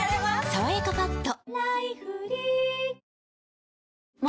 「さわやかパッド」